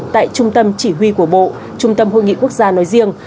tại trung tâm chỉ huy của bộ trung tâm hội nghị quốc gia nói riêng